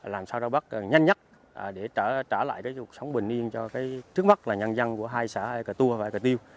làm sao ra bắt nhanh nhất để trả lại cuộc sống bình yên cho trước mắt là nhân dân của hai xã cà tua và cà tiêu